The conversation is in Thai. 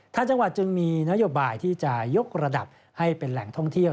ทางจังหวัดจึงมีนโยบายที่จะยกระดับให้เป็นแหล่งท่องเที่ยว